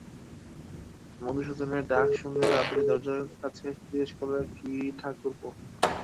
মধুসূদনের ডাক শুনে তাড়াতাড়ি দরজার কাছে এসে জিজ্ঞাসা করলে, কী ঠাকুরপো?